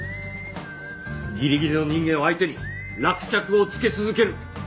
ギリギリの人間を相手に落着をつけ続ける。